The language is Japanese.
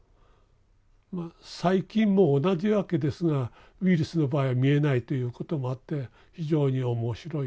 まあ細菌も同じわけですがウイルスの場合は見えないということもあって非常に面白い。